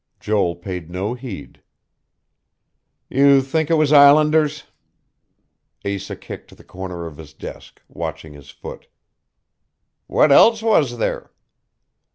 Joel paid no heed. "You think it was Islanders?" Asa kicked the corner of his desk, watching his foot. "What else was there?"